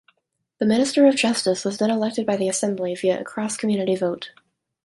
The Minister of Justice was then elected by the Assembly via a cross-community vote.